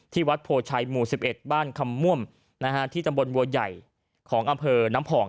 วัดโพชัยหมู่๑๑บ้านคำม่วมที่ตำบลบัวใหญ่ของอำเภอน้ำผ่อง